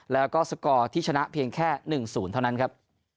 แล้วก็สกอร์ที่ชนะเพียงแค่๑๐เท่านั้นครับ